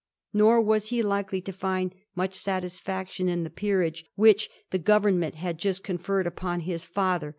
Nor was he likely to find much satisfaction in the peerage which the Government had just conferred upon his father.